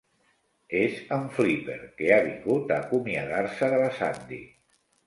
És en Flipper, que ha vingut a acomiadar-se de la Sandy.